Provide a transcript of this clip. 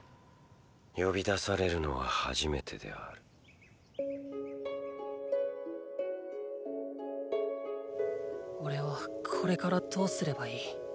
呼び出されるのは初めてであるおれはこれからどうすればいい。